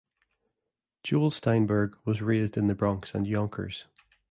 Joel Steinberg was raised in the Bronx and Yonkers.